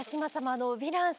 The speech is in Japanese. あのヴィラン様